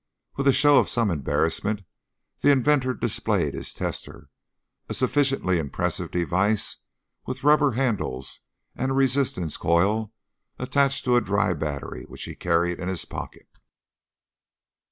With a show of some embarrassment, the inventor displayed his tester, a sufficiently impressive device with rubber handles and a resistance coil attached to a dry battery, which he carried in his pocket.